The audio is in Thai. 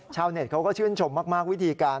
เน็ตเขาก็ชื่นชมมากวิธีการ